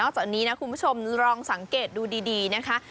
จากนี้นะคุณผู้ชมลองสังเกตดูดีนะคะ